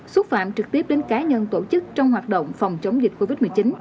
xúc phạm trực tiếp đến cá nhân tổ chức trong hoạt động phòng chống dịch covid một mươi chín